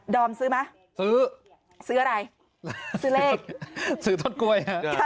อมซื้อไหมซื้อซื้ออะไรซื้อเลขซื้อต้นกล้วย